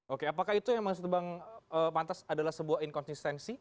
oke apakah itu yang maksud bang pantas adalah sebuah inkonsistensi